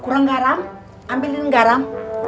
kurang garam ambilin garam